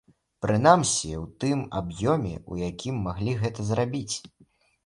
Прынамсі, у тым аб'ёме, у якім маглі б гэта зрабіць.